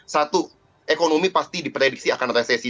satu ekonomi pasti diprediksi akan resesi